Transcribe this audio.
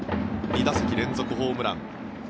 ２打席連続ホームラン。